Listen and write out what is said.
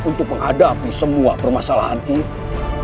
untuk menghadapi semua permasalahan itu